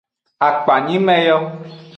Akpanyime yo.